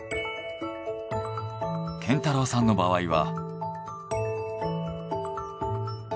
健太郎さんの場合は。